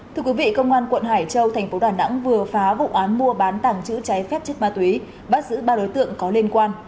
thưa quý vị công an quận hải châu tp đà nẵng vừa phá vụ án mua bán tàng trữ trái phép chất ma túy bắt giữ ba đối tượng có liên quan